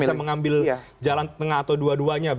tidak bisa mengambil jalan tengah atau dua duanya begitu